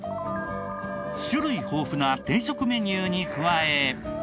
種類豊富な定食メニューに加え。